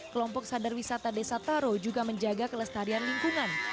kelompok sadar wisata desa taro juga menjaga kelestarian lingkungan